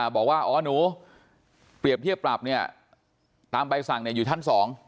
บอกว่าอ๋อนุเปรียบเทียบปรับเนี่ยตามใบสั่งเนี่ยอยู่ท่าน๐